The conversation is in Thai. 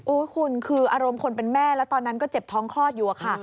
คุณคืออารมณ์คนเป็นแม่แล้วตอนนั้นก็เจ็บท้องคลอดอยู่อะค่ะ